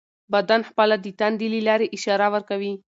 بدن خپله د تندې له لارې اشاره ورکوي.